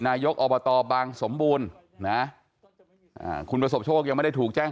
นายกอบตบางสมบูรณ์นะคุณประสบโชคยังไม่ได้ถูกแจ้ง